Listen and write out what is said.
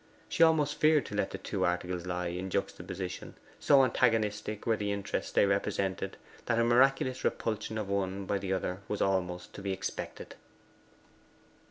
She almost feared to let the two articles lie in juxtaposition: so antagonistic were the interests they represented that a miraculous repulsion of one by the other was almost to be expected.